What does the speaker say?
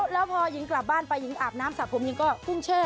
แล้วพอหญิงกลับบ้านไปหญิงอาบน้ำสระผมหญิงก็พุ่งเช่